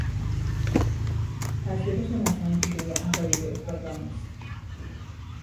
پذیرش نسنجیدهی عقاید افراط آمیز